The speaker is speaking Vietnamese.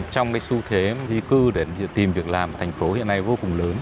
trong cái xu thế di cư để tìm việc làm ở thành phố hiện nay vô cùng lớn